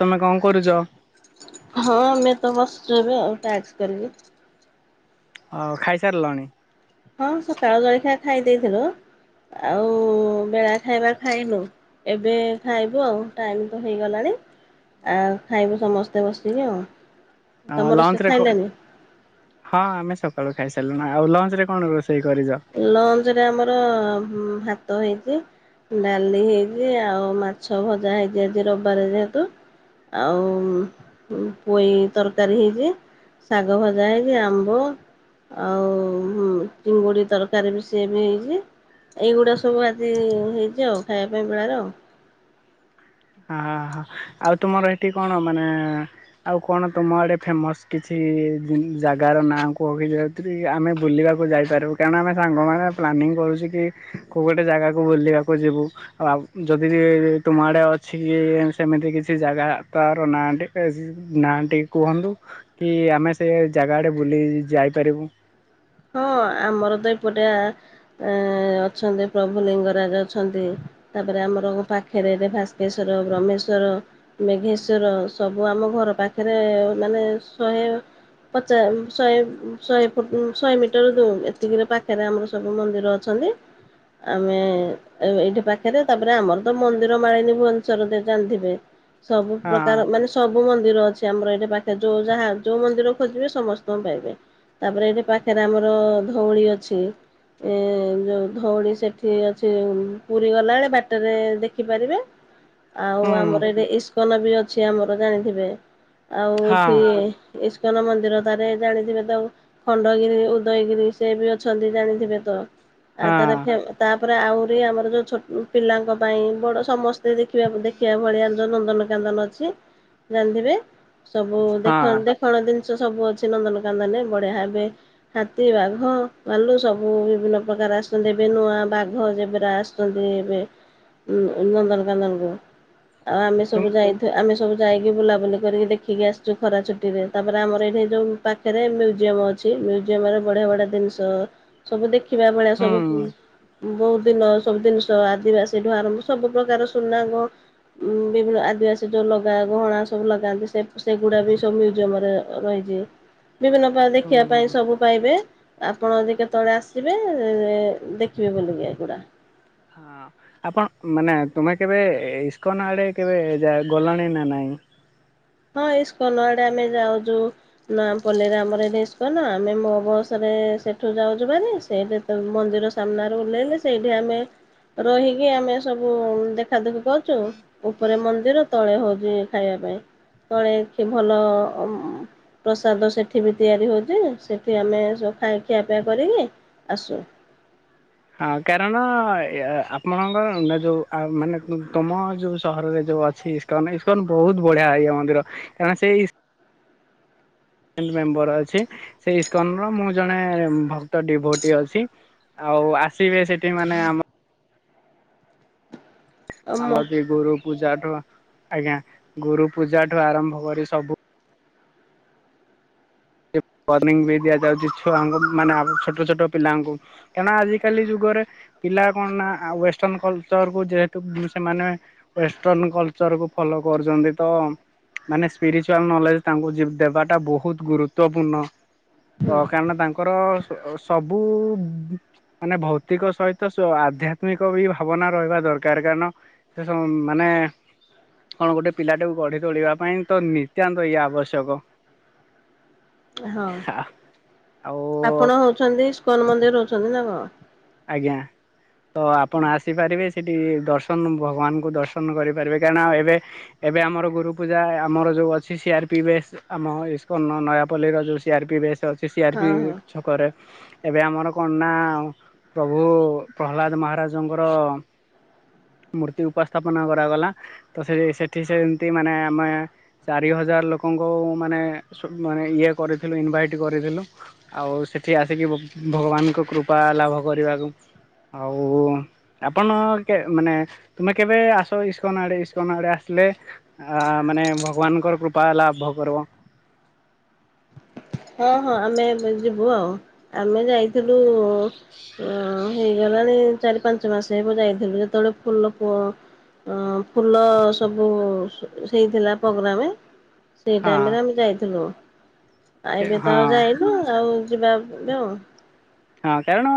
ତୁମେ କଣ କରୁଚ? ହଁ ଆମେ ତ ବସିଚୁ ଏବେ। ଟ୍ୟାକ୍ସ କରି- ହଉ ଖାଇସାରିଲଣି? ହଁ ସକାଳ ଜଳଖିଆ ଖାଇ ଦେଇେଥିଲୁ। ଆଉ, ବେଳା ଖାଇବା ଖାଇନୁ ଏବେ ଖାଇବୁ, ଆଉ ଟାଇମ ତ ହେଇଗଲାଣି ଆ ଖାଇବୁ ସମସ୍ତେ ବସିବେ ଆଉ। ତମ ଲଞ୍ଚ ରୋଷେଇ ରେ କ, ଖାଇଲାଣି ହଁ ଆମେ ସବ ସକାଳୁ ଖାଇ ସାରିଲୁଣୁ। ଆଉ ଲଞ୍ଚ ରେ କଣ ରୋଷେଇ - ଲଞ୍ଚ ରେ ଆମର ଉଁ ଭାତ ହେଇଚି, ଡାଲି ହେଇଚି ଆଉ ମାଛ ଭଜା ହେଇଚି ଆଜି ରବିବାର ଯେହେତୁ। ଆଉ ପୋଇ ତରକାରୀ ହେଇଚି, ଶାଗ ଭଜା ହେଇଚି, ଆମ୍ବ ଆଉ ଚିଙ୍ଗୁଡ଼ି ତରକାରୀ ବି ସିଏ ବି ହେଇଚି। ଏଇଗୁଡ଼ା ସବୁ ଆଜି ହେଇଚି ଆଉ, ଖାଇବା ପାଇଁ ବେଳାର ଆଉ। ହ ହ ଆଉ ତୁମର ଏଠି କଣ ମାନେ ଆଉ କଣ ତୁମ ଆଡେ ଫେମସ୍ କିଛି ଜି ଜାଗାର ନାଁ କୁହ କି ଯେ ଆମେ ବୁଲିବାକୁ ଯାଇପାରିବୁ କାରଣ ଆମେ ସାଙ୍ଗମାନେ ପ୍ଲାନିଂ କରୁଚି କି କେଉ ଗୋଟେ ଜାଗାକୁ ବୁଲିବାକୁ ଯିବୁ ଆଉ ଯଦି ବି ତୁମ ଆଡେ ଅ କିଛି କି ସେମିତି କିଛି ଜାଗା ତାର ନାଁଟି ନାଁ ଟିକେ କୁହନ୍ତୁ। କି ଆମେ ସେ ଜାଗାଡ଼େ ବୁଲି ଯାଇପାରିବୁ। ହଁ ଆମର ତ ଏପଟିଆ ଅ ଅଛନ୍ତି ପ୍ରଭୁ ଲିଙ୍ଗରାଜ ଅଛନ୍ତି। ତାପରେ, ଆମର ପାଖରେ ଭାସ୍କେଶ୍ଵର, ବ୍ରହ୍ମେଶ୍ଵର, ମେଘେଶ୍ଵର ସବୁ ଆମ ଘର ପାଖରେ ମାନେ ଶହେ ପଚା ଶହେ ଶହେ ଫୁଟ ଶହେ ମିଟର ଦ ଏତିକିରେ ପାଖରେ ଆମର ସବୁ ମନ୍ଦିର ଅଛନ୍ତି। ଆମେ ଏ-ଏଇଠି ପାଖରେ ତାପରେ, ଆମର ତ ମନ୍ଦିର ମାଳିନୀ ଭୁବନେଶ୍ଵର ଜାଣିଥିବେ। ସବୁ ହଁ ପ୍ରକାର ମାନେ ସବୁ ସବୁ ମନ୍ଦିର ଅଛି ଆମର ଏଠି ପାଖରେ ଯଉ, ଯାହା ଯୋଉ ମନ୍ଦିର ଖୋଜିବେ ସମସ୍ତଙ୍କୁ ପାଇବେ। ତାପରେ ଏଠି ପାଖ ଏଥିରେ ଆମର ଧଉଳି ଅଛି। ଏ ଯଉଁ ଧଉଳି ସେଠି ଅଛି। ପୁରୀ ଗଲାବେଳେ ବାଟରେ ଦେଖିପାରିବେ। ଆଉ ଆମର ହୁଁ ଏଠି ଇସ୍କନ ବି ଅଛି, ଆମର ଜାଣିଥିବେ। ଆଉ ହଁ ଏଠି ନ ମନ୍ଦିର ଟାରେ ଜାଣିଥିବେ ତ ଣ୍ଡଗିରି ଉଦୟଗିରି ସେ ବି ଅଛନ୍ତି ଜାଣିଥିବେ ତ? ଆ ହଁ ତାହାର ଫ ତା ତାପରେ ଆହୁରି ଆମର ଯୋଉ ଛୋଟ ପିଲାଙ୍କ ପାଇଁ ବଡ ସମସ୍ତେ ଦେଖିବା ଦେଖିବା ଭଳିଆ ଯୋଉ ନନ୍ଦନକନ୍ଦନ ଅଛି ଜାଣିଥିବେ? ସବୁ ଦେଖ ହଁ ଦେଖଣ ଜିନିଷ ସେ ସବୁ ଅଛି ନନ୍ଦନକାନନ ବଢ଼ିଆ ହେବେ ହାତୀ ବାଘ ଭାଲୁ ସବୁ ବିଭିନ୍ନ ପ୍ରକାର ଆସୁଛନ୍ତି। ଏବେ ନୁଆ ବାଘ ଜେବରା ଆସୁଛନ୍ତି ଏବେ ନନ୍ଦନକାନନକୁ ଆଉ ଆମେ ସବୁ ତୁମ ଯାଇଥ ଆମେ ସବୁ ଯାଇକି ବୁଲାବୁଲି କରିକି ଦେଖିକି ଆସିଛୁ ଖରା ଛୁଟିରେ। ତାପରେ ଆମର ଏଇଠି ଯେଉଁ ପାଖରେ ମ୍ୟୁଜିୟମ୍ ଅଛି ମୁଜିୟମ ର ବଢିଆ ବଢିଆ ଜିନିଷ ସବୁ ଦେଖି ଦେଖିବା ଭଳିଆ ହୁଁ ସବୁ ବହୁତ ଦିନ ସବୁ ଜିନିଷ ଆଦିବାସୀ ଠୁ ଆରମ୍ଭ ସବୁ ପ୍ରକାର ସୁନା ବିଭିନ୍ନ ଆଦିବାସୀ ଯୋଉ ଲଗା ଗହଣା ସବୁ ଲଗାନ୍ତି ସେଗୁଡା ବି ସବୁ ମ୍ୟୁଜିୟମ ରେ ରହିଛି ବିଭିନ୍ନ ପ୍ରକାର ଶଖିବା ପାଇଁ ହୁଁ ସବୁ ପାଇବେ। ଆପଣ ଯ କେତେବେଳେ ଆସିବେ ଦେଖିବେ ବୁଲିକି ଏଗୁଡା। ହଁ ଆପଣ ମାନେ ତୁମେ କେବେ ଇସ୍କନ ଆଡେ କେବେ ଗଲାଣି ନା ନାଇଁ? ହଁ ଇସ୍କନ ଆଡେ ଆମେ ଯାଉଛୁ ନୂଆପଲ୍ଲୀ ରେ ଆମର ଏଠି ଇସ୍କନ ଆମେ ମୋ ବସରେ ସେଠୁ ଯାଉଛୁ ଭାରି ସେଇଠ ତ ମନ୍ଦିର ସାମ୍ନାରେ ଓହ୍ଲେଇଲେ ସେଇଠି ଆମେ ରହିକି ଆମେ ସବୁ ଦେଖାଦୁଖି କରୁଛୁ ଉପରେ ମନ୍ଦିର ତଳେ ହଉଛି ଖାଇବା ପାଇଁ। ତଳେ ଭଲ ପ୍ରସାଦ ସେଠି ବି ତିଆରି ହେଉଛି ସେଠି ଆମେ ସୁ ଖାଇ ଖିଆପିଆ କରିକି ଆସୁ। ହଁ କାରଣ ଆପଣଙ୍କର ଯୋଉ ମାନେ ତମ ଯୋଉ ସହରରେ ଯୋଉ ଅଛି ଇସ୍କନ ଇସ୍କନ ବହୁତ ବଢିଆ ହେଇ ମନ୍ଦିର କାରଣ ସେ ନଟ୍ ମେମ୍ବର ଅଛି ସେଇ ଇସ୍କନର ମୁଁ ଜଣେ ଭକ୍ତ ଡିଭୋଟି ଅଛି ଆଉ ଆସିବେ ସେଠି ମାନେ ଆମ ଆଉ ମୁଁ ଆମର ବି ଗୋରୁ ପୂଜାଠୁ ଆଜ୍ଞା ଗୁରୁ ପୂଜା ଠୁ ଆରମ୍ଭ କରି ସବୁ ୱର୍ଣିଂ ବି ଦିଆଯାଉଛି ଛୁଆଙ୍କୁ ମାନେ ଛୋଟ ଛୋଟ ପିଲାଙ୍କୁ କାରଣ ଆଜିକାଲି ଯୁଗରେ ପିଲା କଣ ନା ୱେଷ୍ଟର୍ଣ୍ଣ କଲଚରକୁ ଯେହେତୁ ସେମାନେ ୱେଷ୍ଟର୍ଣ କଲଚରକୁ ଫଲୋ କରୁଛନ୍ତି ତ ମାନେ ସ୍ପିରିଚୁଆଲ ନଲେଜ ତାଙ୍କୁ ଦେବାଟା ବହୁତ ଗୁରୁତ ଗୁରୁତ୍ଵପୂର୍ଣ୍ଣ ତ କାରଣ ତାଙ୍କର ସବୁ ମାନେ ଭୌତିକ ସହିତ ଆଧ୍ୟାତ୍ମିକ ବି ଭାବନା ରହିବା ଦରକାର କାରଣ ସେ ସବ ମାନେ କଣ ଗୋଟେ ପିଲାଟାକୁ ଗଢି ତୋଳିବା ପାଇଁ ତ ନିତ୍ୟାନ୍ତ ଇଏ ଆବଶ୍ୟକ। ହଁ ଆଉ ଆପଣ ହଉଛନ୍ତି ସ୍କନ ମନ୍ଦିର ହ ଛନ୍ତି ନା କଣ? ଆଜ୍ଞା ତ ଆପଣ ଆସିପାରିବେ ସେଠି ଦର୍ଶନ ଭଗବାନଙ୍କୁ ଦର୍ଶନ କରିପାରିବେ କାରହିଣ ଏବେ ଏବେ ଆମର ଗୁରୁ ପୂଜା ଆମର ଯେଉଁ ଅଛି ସିଆର୍ ପି ବେେଶସ୍ ଆମ ଇସ୍କନ ନୟାପଲ୍ଲୀର ଯେଉଁ C R P base C R P ହଁ ହଁ ଛକ ରେ ଏବେ ଆମର କଣ ନା ଆ ପ୍ରଭୁ ପ୍ରହ୍ଲାଦ ମହାରାଜଙ୍କର ମୂର୍ତ୍ତି ଉପସ୍ଥାପନା କରାଗଲା ତ ସେ ସେଠି ସେମିତି ମାନେ ଆମେ ଚାରି ହଜାର ଲୋକଙ୍କୁ ମାନେ ମାନେ ଇଏ କରିଥିଲୁ ଇନଭାଇଟ୍ କରିଥିଲୁ ଆଉ ସେଠି ଆସିକି ଭଗବାନଙ୍କ କୃପା ଲାଭ କରିବାକୁ ଆଉ ଆପଣ ମାନେ ତୁମେ କେବେ ଆସ ଇସ୍କନ ଆଡେ ଇସ୍କନ ଆଡେ ଆସିଲେ ଆ ମାନେ ଭଗବାନଙ୍କର କୃପା ଲାଭ କରିବ। ହଁ ହଁ ଆମେ ଏବେ ଯିବୁ ଆଉ ଆମେ ଯାଇଥିଲୁ ହେଇଗଲାଣି ଚାରି ପାଞ୍ଚ ମାସ ହେବ ଯାଇଥିଲୁ ଯେତେବେଳେ ଫୁଲ ଫୁଲ ସବୁ ହେଇଥିଲା ପ୍ରୋଗ୍ରାମ। ସେଇ ଟାଇମ ରେ ଆମେ ହଁ ଯାଇଥିଲୁ। ଆ ଏବେ ତ ଆଉ ହଁ ଯାଇନୁ ଆଉ ଯିବା ନା ହଁ କାରଣ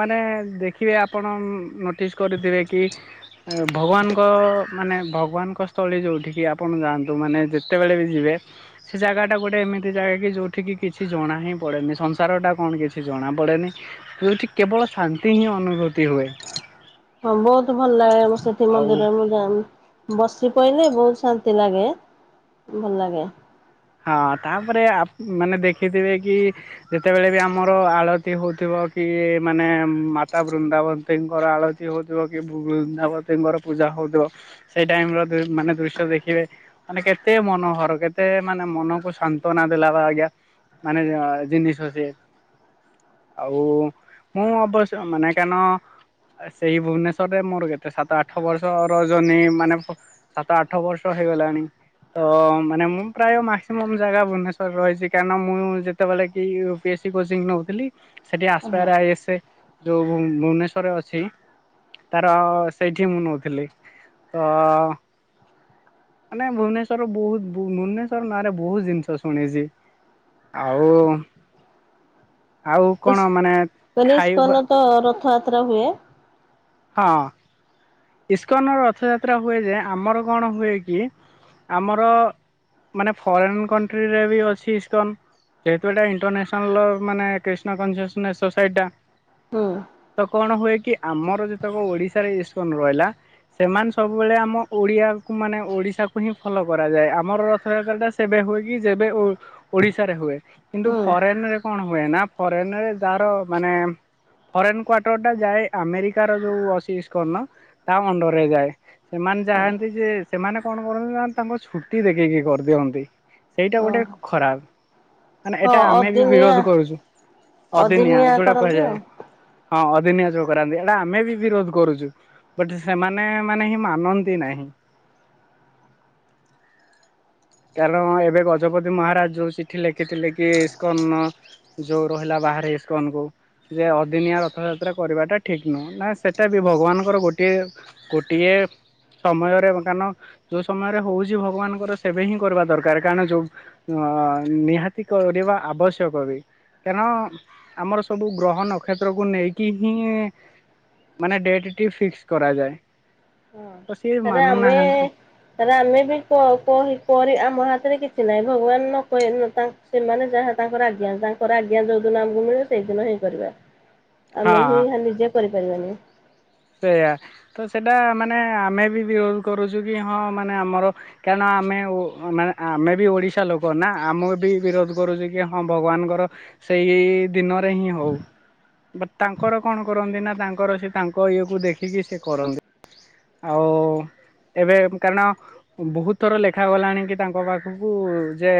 ମାନେ ଦେଖିବେ ଆପଣ ନୋଟିସ୍ କରିଥିବେ କି ଭଗବାନ ତ ମାନେ ଭଗବାନ୍ ଙ୍କ ସ୍ଥଳୀ ଯୋଉଠିକି ଆପଣ ଯାଆନ୍ତୁ ମାନେ ଯେତେବେଳେ ବି ଯିବେ ସେ ଜାଗା ଟା ଗୋଟେ ଏମିତି ଜାଗା ଯୋଉଠି କି କିଛି ଜଣା ହିଁ ପଡ଼େନି। ସଂସାର ଟା କଣ କିଛି। ଜଣାପଡ଼େନି ହେଉଠ କେବଳ ଶାନ୍ତି ହିଁ ଅନୁଭୂତି ହୁଏ। ହଁ ବହୁତ ଭଲ ଲାଗେ। ସେଠି ଆଉ ମନ୍ଦିରରେ ମୁଁ ଯାଏନି। [unintelligible] ବୋହୁତ ଶାନ୍ତି ଲାଗେ ଭଲ ଲାଗେ। ହଁ ତାପରେ ଆପ ମାନେ ଦେଖିଥିବେ କି ଯେତେବେଳେ ବି ଆମର ଆଳତି ହୋଉଥିବ କି ମାନେ ମାତା ବୃନ୍ଦାବତୀଙ୍କର ଆଳତି ହୋଉଥିବ କି ବୃନ୍ଦାବତୀଙ୍କର ପୂଜା ହୋଉଥିବ ସେଇ ଟାଇମର ମାନେ ଦୃଶ୍ୟ ଦେଖିବେ ମାନେ କେତେ ମନୋହର କେତେ ମାନେ ମନକୁ ସାନ୍ତନା ଦେଲା ବାଗିଆ ମାନେ ଜିନିଷ ସିଏ ଆଉ ମୁଁ ଅବଶ ମାନେ କଣ ସେଇ ଭୁବନେଶ୍ଵରରେ ମୋର କେତେ ସାତ ଆଠ ବର୍ଷର ଜର୍ନି ମାନେ ସାତ ଆଠ ବର୍ଷ ହେଇଗଲାଣି ତ ମାନେ ମୁଁ ପ୍ରାୟ ମାକ୍ସିମମ୍ ଜାଗା ଭୁବନେଶ୍ୱର ରହିଚି କାରଣ ମୁଁ ଯେତେବେଳେ କି ୟୁ ପି ଏସି କୋଚିଂ ନେଉଥିଲି ସେଇଠି ଆସପେୟାର ହଁ ଆଇଏସ୍ ଯୋଉ ଭୁବନେଶ୍ୱରରେ ଅଛି ତାର ସେଇଠି ମୁଁ ନେଉଥିଲି ତ ମାନେ ଭୁବନେଶ୍ୱର ବୋହୁତ ଭୁବନେଶ ର ନାଁ ରେ ବୋହୁତ ଜିନିଷ ଶୁଣିଚି ଆଉ। ଆଉ କଣ ଇସ୍ ମାନେ ମାନେ ଖାଇବା ଇସ୍କନତ ରଥଯା ତ୍ରା ହୁଏ। ହଁ ଇସ୍କନର ରଥଯାତ୍ରା ହୁଏଯେ ଆମର କଣ ହୁଏ କି ଆମର ମାନେ ଫରେନ୍ କଣ୍ଟ୍ରିରେ ବି ଅଛି ଇସ୍କନ୍ ଯେହେତୁ ଏଟା ଇଣ୍ଟରନ୍ୟାସନାଲ ମାନେ କ୍ରିଷ୍ଣା [unintelligible] ସୋସାଇଟି ଟା ହୁଁ ତ କଣ ହୁଏ କି ଆମର ଯେ ଓଡିଶାରେ ଇଷ୍ଟକନ ରହିଲା ସେମାନେ ସବୁବେଳେ ଆମ ଓଡିଆକୁ ମାନେ ଓଡିଶାକୁ ହିଁ ଫଲୋ କରାଯାଏ ଆମର ରଥଯାତ୍ରା ଟା ସେବେ ହୁଏ କି ଯେବେ ଓଡିଶାରେ ହୁଏ କିନ୍ତୁ ହୁଁ ଫରେନ ରେ କଣ ହୁଏ ନା ଫରେନ ରେ ଯାହାର ମାନେ ଫରେନ କ୍ଵଟର ଟା ଯାଏ ଆମେରିକା ଯୋଉ ଇସ୍କନ ତା ଅଣ୍ଡର ରେ ଯାଏ ସେମାନେ ଚାହାନ୍ତି ଯେ ସେମାନେ କଣ କରନ୍ତି ନା ତାଙ୍କ ଛୁଟି ଦେଖିକି କରିଦିଅନ୍ତି ସେଇଟା ଓ ଗୋଟେ ଖରାପ। ମାନେ ହଁ ଏଟା ଆମେ ବି ବିରୋଧ ଅଦିନିଆ କରୁଚୂ ଅଦିନିଆ ଯୋଉଟା କରନ୍ତି ଆଉ କୁହାଯାଏ। ହଁ ଅଦିନିଆ ଯୋଉ କରାନ୍ତି। ଏଟା ଆମେ ବି ବିରୋଧ କରୁଚୁ ବଟ୍ ସେମାନେ ମାନେ ହିଁ ମାନନ୍ତି ନାହିଁ। କାରଣ ଏବେ ଗଜପତି ମହାରାଜ ଯୋଉ ଚିଠି ଲେଖିଥିଲେ କି ଇସ୍କନ ଯୋଉ ରହିଲା ବାହାରେ ଇସ୍କନକୁ ଯେ ଅଦିନିଆ ରଥଯାତ୍ରା କରିବାଟା ଠିକ୍ ନୁହେଁ ନା ସେଟା ବି ଭଗବାନଙ୍କର ଗୋଟିଏ ଗୋଟିଏ ସମୟରେ କାରଣ ଯୋଉ ସମୟରେ ହୋଉଚି ଭଗବାନଙ୍କର ସେବେ ହିଁ କରିବା ଦରକାର କାରଣ ଯୋଉ ନିହାତି କରିବା ଆବଶ୍ୟକ ବି କାରଣ ଆମର ସବୁ ଗ୍ରହ ନକ୍ଷତ୍ରକୁ ନେଇକି ହିଁ ମାନେ ଡେଟ୍ ଟି ଫିକ୍ସ କରାଯାଏ। ତ ସିଏ ଏରା ଆମେ ମାନୁନାହାନ୍ତି ଏରା ଆମେ ବି କ କହି ପରେ ଆମ ହାତରେ କିଛି ନାହିଁ ଭଗବାନ ନକହି ସେମାନେ ଯାହା ତାଙ୍କର ଆଜ୍ଞା ତାଙ୍କର ଆଜ୍ଞା ଯୋଉ ଦିନ ଆମକୁ ମିଳିବ ସେଇଦିନ ହିଁ କରିବା। ହଁ ଆମେ ହିଁ ହେଁ ନିଜେ କରି [unintelligible] ସେଇୟା ତ ସେଟା ମାନେ ଆମେ ବି ବିରୋଧ କରୁଚୁ କି ହଁ ମାନେ ଆମର କାରଣ ଆମେ ଓ ମାନେ ଆମେ ବି ଓଡିଶା ଲୋକ ନା ଆମେ ବି ବିରୋଧ କରୁଚୁ କି ହଁ ଭଗବାନଙ୍କର ସେଇ ଦିନରେ ହିଁ ହଉ ବା ତାଙ୍କର କଣ କରନ୍ତି ନା ତାଙ୍କର ସେ ତାଙ୍କ ତାଙ୍କ ଇଏକୁ ଦେଖିକି ସେ କରନ୍ତି ଆଉ ଏବେ କାରଣ ବହୁତ ଥର ଲେଖାାଗଲାଣି କି ତାଙ୍କ ପାଖକୁ ଯେ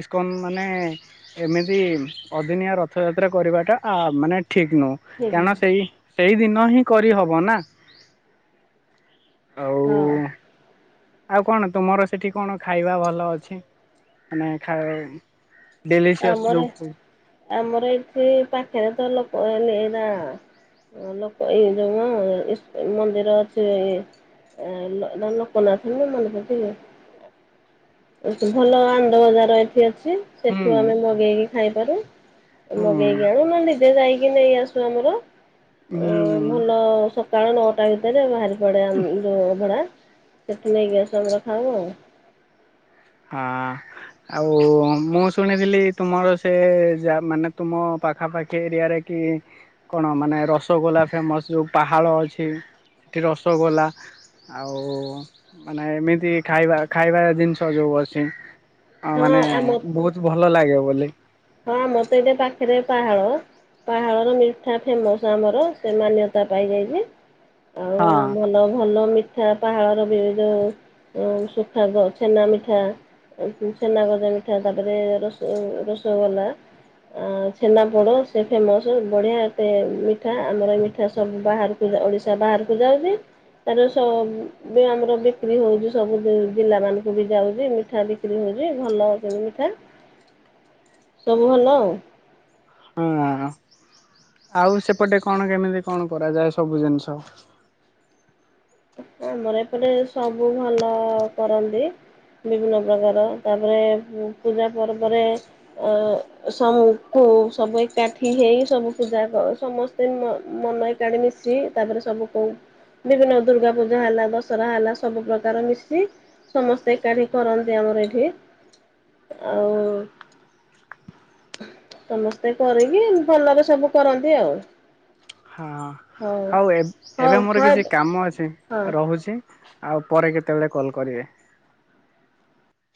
ଇସ୍କନ୍ ମାନେ ଏମିତି ଅଦିନିଆ ରଥଯାତ୍ରା କରିବାଟା ଆ ମାନେ ଠିକ ନୁହଁ ଠିକ୍ କାରଣ ନୁହେଁ ସେଇ ସେଇଦିନ ହିଁ କରିହବ ନା ଆଉ ହଁ ଆଉ କଣ ତୁମର ସେଠି କଣ ଖାଇବା ଭଲ ଅଛି ମାନେ ଖା ଡେଲିସିିୟସ୍ ଆମର ଯୋଉ ଫୁଡ। ଆମର ଏଠି ପାଖରେତ ଲୋକମାନେ [unintelligible] ଲୋକ ଏଇ ଯୋଉମ ଇସ ମନ୍ଦିର ଅଛି ଏଇ ଲ-ଲ ଲୋକନାଥ ମନେପଡୁଚି ଭଲ ଆନ୍ଦ ବଜାର ଏଠି ଅଛି। ହୁଁ [unintelligible] ଆମେ ମଗେଇକି ଖାଇପାରୁ। ହୁଁ ମଗେଇକି ଆଣୁ ନହେଲେ ନିଜେ ଯାଇ ନେଇ ଆସୁ ଆମର। ଓ ହୁଁ ଭଲ ସ ସକାଳ ନଅଟା ଭିତରେ ବାହାରି ପଡେ ଯୋଉ ଅବଢା। ସେଟୁ ନେଇକି ଆସୁ ଆମର ଖାଉ ଆଉ। ହଁ ଆଉ ମୁଁ ଶୁଣିଥିଲି ତୁମର ସେ ଯା ମାନେ ତୁମ ପାଖାପାଖି ଏରିଆରେ କି କଣ ମାନେ ରସଗୋଲା ଫେମସ୍ ଯେଉଁ ପାହାଳ ଅଛି ସେଠି ରସଗୋଲା ଆଉ ମାନେ ଏମିତି ଖାଇବା ଖାଇବା ଜିନି ଷ ଯୋଉ ଅଛି। ଆ ମାନେ ହଁ ଆମ ବୋହୁତ ଭଲ ଲାଗେ ବୋଲି ହଁ ମୋତେ ଏଠ ପାଖରେ ପାହାଳ ପାହାଳର ମିଠା ଫେମସ୍ ଆମର ସେ ମାନ୍ୟତା ପାଇଯାଇଛି ଆଉ ହଁ ଭଲ ଭଲ ମି ମିଠା ପାହାଳର ବି ଯେଉଁ ସୁଖା ଛେନା ମିଠା ଛେନା ଗଜା ମିଠା ତାପରେ ର ର ରଗଲା ଛେନାପୋଡ଼ ସେ ଫେମସ୍ ବଢ଼ିଆ ଏତେ ମିଠା ଆମର ଏ ମିଠା ସବୁ ବାହାରକୁ ଓଡ଼ିଶା ବାହାରକୁ ଯାଉଛି ତାାର ସବ ବି ଆମର ବିକ୍ରି ହେଉଛି ସବୁ ଜିଲ୍ଲାମାନଙ୍କୁ ବି ଯାଉଛି ମିଠା ବିକ୍ରି ହେଉଛି ଭଲ ଅ ମିଠା ସବୁଭଲ ଆଉ ହଁ ଆଉ ସେପଟେ କଣ କେମିତି କଣ କରାଯାଏ ସବୁ ଜିନିଷ ଆମର ଏପଟ ସବୁ ଭଲ କରନ୍ତି ବିଭିନ୍ନ ପ୍ରକାର ତାପରେ ପୂଜା ପର୍ବରେ ସବୁ କ ସବୁ ଏକାଠି ହେଇ ସବୁ ପୂଜା ସମସ୍ତ ମନ ଏକାଠି ମିଶି ତାପରେ ସବୁ କ ବିଭିନ୍ନ ଦୁର୍ଗା ପୂଜା ା ହେଲା ଦଶହରା ହେଲା ସବୁ ପ୍ରକାର ମିଶି ସମସ୍ତେ ଏକାଠି କରନ୍ତି ଆମର ଏଇଠି ଆଉ ସମସ୍ତେ କରିକି ଭଲରେ ସବୁ କରନ୍ତି ଆଉ ହଁ ହଉ ଏବେ ହଉ ମୋର ହଁ କିଛି କାମ ଅଛି ହଁ ରହୁଛି ଆଉ ପରେ କେତେବେଳେ କଲ କରିବେ।